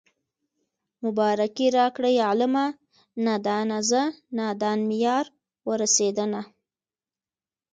مبارکي راکړئ عالمه نادانه زه نادان مې يار ورسېدنه